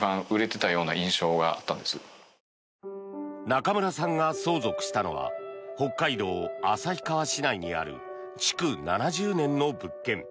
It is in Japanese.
中村さんが相続したのは北海道旭川市内にある築７０年の物件。